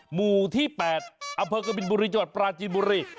หมู่ที่๘อำเภอกบินบุรีจังหวัดปราจีนบุรี